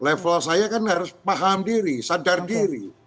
level saya kan harus paham diri sadar diri